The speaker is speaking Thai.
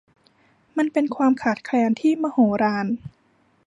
มันเป็นความขาดแคลนที่มโหฬาร